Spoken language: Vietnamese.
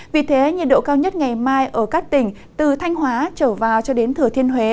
vì thế nhiệt độ cao nhất ngày mai ở các tỉnh từ thanh hóa trở vào cho đến thừa thiên huế